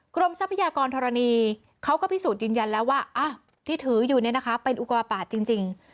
ทรัพยากรธรณีเขาก็พิสูจน์ยืนยันแล้วว่าที่ถืออยู่เนี่ยนะคะเป็นอุกรปาดจริง